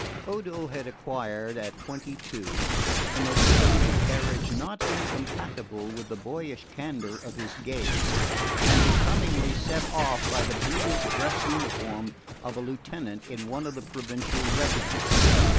Odo had acquired, at twenty two, a nobility of carriage not incompatible with the boyish candour of his gaze, and becomingly set off by the brilliant dress uniform of a lieutenant in one of the provincial regiments.